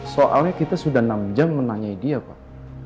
soalnya kita sudah enam jam menanyai dia pak